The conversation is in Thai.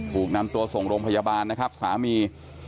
ถูกนำตัวส่งโรงพยาบาลนะครับสามี